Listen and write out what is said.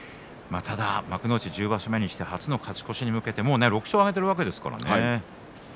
ただ幕内１０場所目にして初の勝ち越しに向けてもう６勝挙げているわけですから。